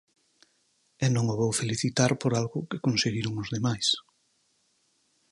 E non o vou felicitar por algo que conseguiron os demais.